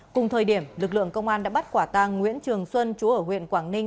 cùng thời điểm lực lượng công an đã bắt quả tàng nguyễn trường xuân chúa ở huyện quảng ninh